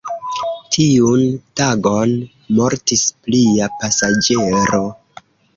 Tiun tagon mortis plia pasaĝero.